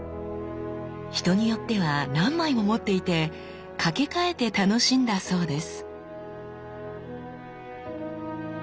人によっては何枚も持っていて掛け替えて楽しんだそうです。